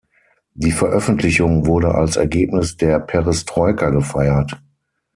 Die Veröffentlichung wurde als Ergebnis der Perestroika gefeiert.